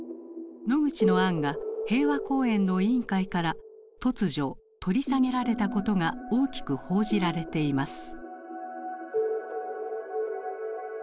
ノグチの案が平和公園の委員会から突如取り下げられたことが大きく報じられています。